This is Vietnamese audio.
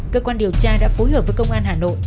cơ quan điều tra đã phối hợp với công an hà nội